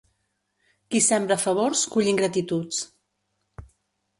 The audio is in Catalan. Qui sembra favors cull ingratituds.